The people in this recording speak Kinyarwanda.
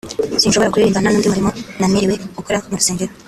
sinshobora kuririmba nta n’undi murimo namerewe gukora mu rusengero